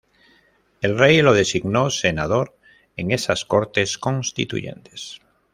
El rey lo designó senador en esas Cortes Constituyentes.